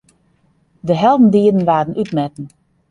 De heldendieden waarden útmetten.